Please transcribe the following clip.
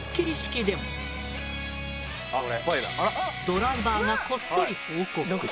ドライバーがこっそり報告。